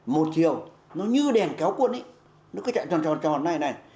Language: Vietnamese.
một chiều nó như đèn kéo cuốn ý nó cứ chạy tròn tròn này này